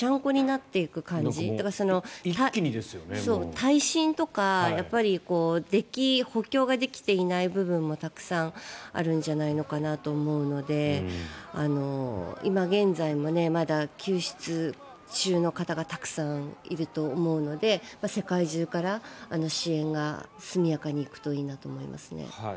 耐震とか補強ができていない部分もたくさんあるんじゃないのかなと思うので今現在もまだ救出中の方がたくさんいると思うので世界中から支援が速やかに行くといいなと思いますね。